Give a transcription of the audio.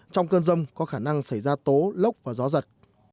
trong cơn rông có khả năng xảy ra tố lốc và gió giật